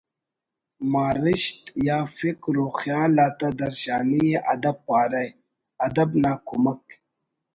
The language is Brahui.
مارشت یا فکر و خیال آتا درشانی ءِ اد ب پارہ “ ادب نا کمک